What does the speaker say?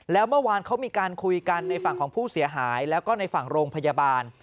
แล้วเมื่อวานเขามีการคุยกันในฝั่งของผู้เสียหายแล้วก็ในฝั่งโรงพยาบาล